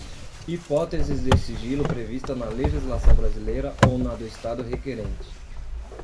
hipóteses de sigilo previstas na legislação brasileira ou na do Estado requerente;